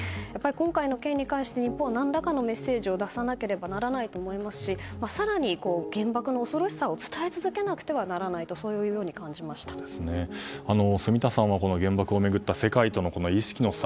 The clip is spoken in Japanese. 今回の件について、日本は何らかのメッセージを出さなければならないと思いますし更に、原爆の恐ろしさを伝え続けなければならないと住田さんは、原爆を巡る世界との、この意識の差。